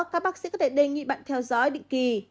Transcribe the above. các bác sĩ có thể đề nghị bạn theo dõi định kỳ